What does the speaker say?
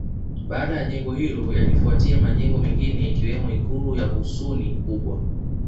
Baada ya jengo hilo yalifuatia majengo mengine ikiwemo Ikulu ya Husuni Kubwa